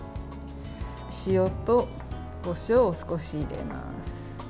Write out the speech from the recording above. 塩とこしょうを少し入れます。